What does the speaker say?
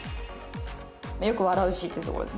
よく笑うしってところですね。